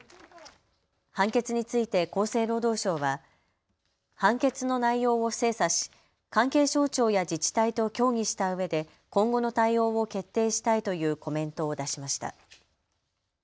判決について厚生労働省は判決の内容を精査し関係省庁や自治体と協議したうえで今後の対応を決定したいというコメントを出しました。